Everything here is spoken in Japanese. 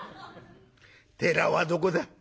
寺はどこだ？」。